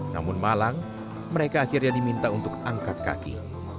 namun malang mereka akhirnya diminta untuk angkat kaki